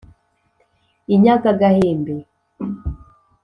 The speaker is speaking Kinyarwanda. • inyaga gahembe.